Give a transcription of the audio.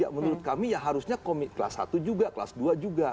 ya menurut kami ya harusnya komik kelas satu juga kelas dua juga